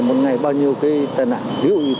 một ngày bao nhiêu cái tai nạn